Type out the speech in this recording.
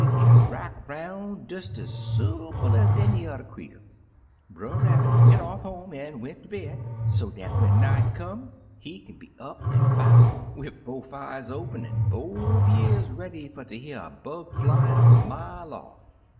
Po got so dat it kin rack 'roun' des ez soople ez any udder creetur, " Brer Rabbit went off home an' went ter bed, so dat when night come he kin be up an* about, wid bofe eyes open, an' bofe y'ears ready fer ter hear a bug flyin' a mile off.